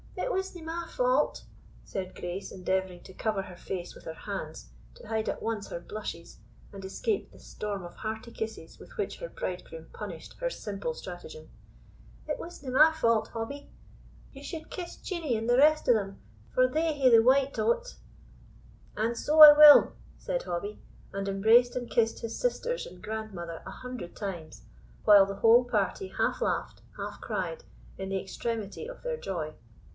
"It wasna my fault," said Grace, endeavouring to cover her face with her hands to hide at once her blushes, and escape the storm of hearty kisses with which her bridegroom punished her simple stratagem, "It wasna my fault, Hobbie; ye should kiss Jeanie and the rest o' them, for they hae the wyte o't." "And so I will," said Hobbie, and embraced and kissed his sisters and grandmother a hundred times, while the whole party half laughed, half cried, in the extremity of their joy.